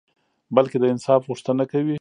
بلکي د انصاف غوښته کوي